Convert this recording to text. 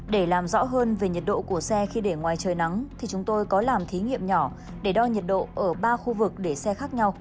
để làm rõ hơn về nhiệt độ của xe khi để ngoài trời nắng thì chúng tôi có làm thí nghiệm nhỏ để đo nhiệt độ ở ba khu vực để xe khác nhau